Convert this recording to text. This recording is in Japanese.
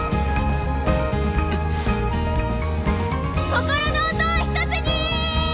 心の音をひとつに！